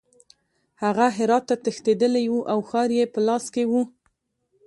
هغه هرات ته تښتېدلی وو او ښار یې په لاس کې وو.